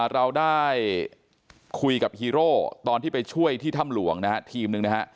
เราได้คุยกับฮีโร่ตอนที่ไปช่วยที่ถ้ำหลวงนะฮะทีมหนึ่งนะฮะ